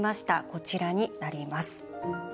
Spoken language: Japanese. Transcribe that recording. こちらになります。